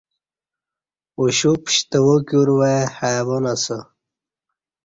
اُوشپ شتوا کیور وائی حیوان اسہ